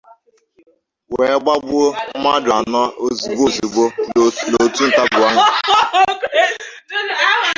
wee gbagbuo mmadụ anọ ozigbo ozigbo n'otu ntabi anya.